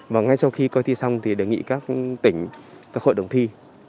và ngay sau khi coi thi xong thì đề nghị các tỉnh các hội đồng thi